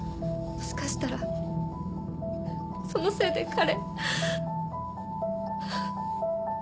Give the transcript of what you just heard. もしかしたらそのせいで彼。